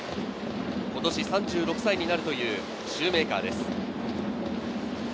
今年３６歳になるというシューメーカーです。